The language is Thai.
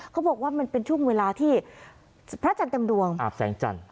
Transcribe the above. เขาบอกว่ามันเป็นช่วงเวลาที่พระจันทร์เต็มดวงอาบแสงจันทร์